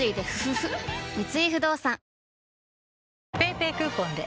三井不動産ＰａｙＰａｙクーポンで！